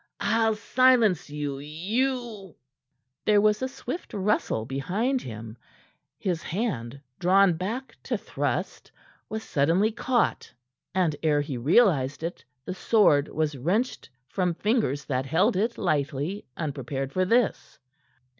"I'll silence you, you " There was a swift rustle behind him. His hand drawn back to thrust was suddenly caught, and ere he realized it the sword was wrenched from fingers that held it lightly, unprepared for this.